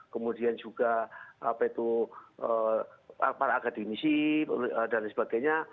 kemudian juga apa itu para akademisi dan sebagainya